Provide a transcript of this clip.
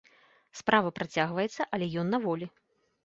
Справа працягваецца, але ён на волі.